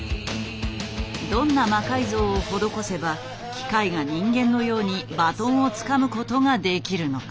どんな魔改造を施せば機械が人間のようにバトンをつかむことができるのか。